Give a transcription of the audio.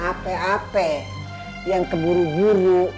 ape ape yang keburu buru